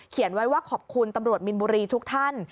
ไว้ว่าขอบคุณตำรวจมินบุรีทุกท่าน